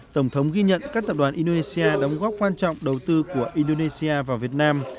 tổng thống ghi nhận các tập đoàn indonesia đóng góp quan trọng đầu tư của indonesia vào việt nam